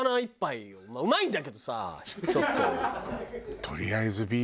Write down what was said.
うまいんだけどさちょっと。